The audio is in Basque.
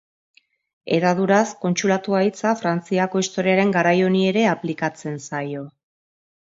Hedaduraz, Kontsulatua hitza Frantziako historiaren garai honi ere aplikatzen zaio.